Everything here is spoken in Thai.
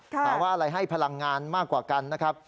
หาว่าอะไรให้พลังงานมากกว่ากันนะครับ